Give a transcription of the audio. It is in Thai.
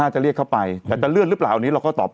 จะเรียกเข้าไปแต่จะเลื่อนหรือเปล่าอันนี้เราก็ตอบ